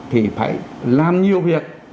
thì phải làm nhiều việc